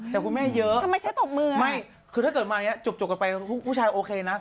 แต่คุณแม่เยอะไม่คือถ้าเกิดมาอย่างนี้จบกันไปผู้ชายโอเคนะ